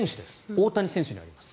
大谷選手にあります。